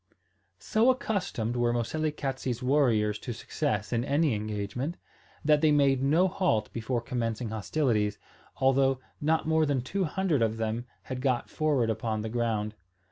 So accustomed were Moselekatse's warriors to success in any engagement, that they made no halt before commencing hostilities, although not more than two hundred of them had got forward upon the ground.